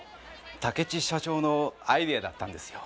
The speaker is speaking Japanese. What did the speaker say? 竹地社長のアイデアだったんですよ。